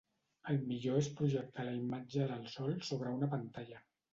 El millor és projectar la imatge del Sol sobre una pantalla.